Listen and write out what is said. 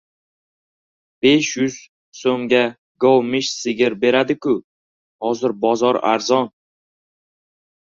— Besh yuz so‘mga govmish sigir beradi-ku! Hozir bozor arzon.